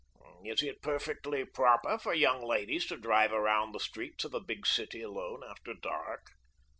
"Is it perfectly proper for young ladies to drive around the streets of a big city alone after dark?"